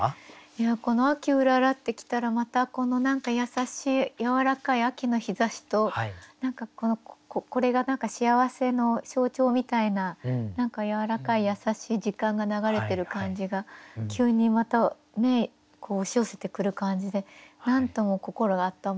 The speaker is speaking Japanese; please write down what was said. いやこの「秋うらら」ってきたらまたこの何か優しいやわらかい秋の日ざしと何かこのこれが幸せの象徴みたいなやわらかい優しい時間が流れてる感じが急にまた押し寄せてくる感じでなんとも心温まる句ですね。